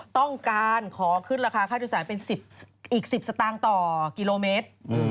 ต้องการขอขึ้นราคาค่าโดยสารเป็นอีก๑๐สตางค์ต่อกิโลเมตร